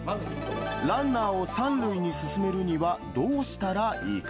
ランナーを３塁に進めるにはどうしたらいいか。